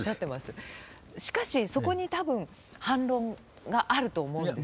しかしそこにたぶん反論があると思うんですよ。